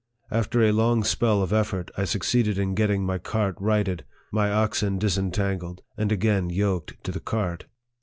After a long spell of effort, I succeeded in getting my cart righted, my oxen disentangled, and again yoked to the cart.